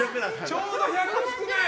ちょうど１００少ない！